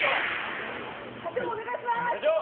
社長、お願いします！